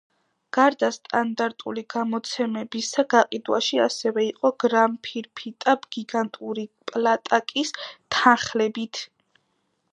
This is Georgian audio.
გარდა სტანდარტული გამოცემებისა, გაყიდვაში ასევე იყო გრამფირფიტა გიგანტური პლაკატის თანხლებით.